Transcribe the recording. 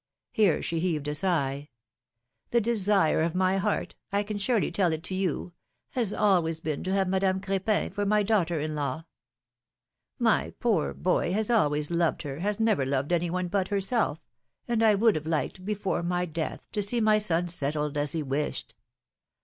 ^^ (Here she heaved a sigh.) ^^The desire of my heart — I can surely tell it to you — has always been to have Madame Cr^pin for my daughter in law. My poor boy has always loved her, has never loved any one but herself, and I would have liked, before my death, to see my son settled as he wished.